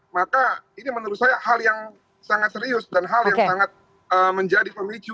maka ini menurut saya hal yang sangat serius dan hal yang sangat menjadi pemicu